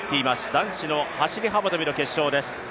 男子の走幅跳の決勝です。